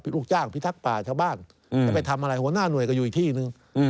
ลูกจ้างพิทักษ์ป่าชาวบ้านจะไปทำอะไรหัวหน้าหน่วยก็อยู่อีกที่หนึ่ง